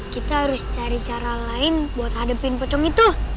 kita harus cari cara lain buat hadepin pocong itu